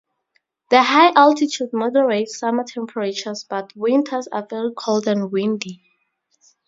The high altitude moderates summer temperatures, but winters are very cold and windy.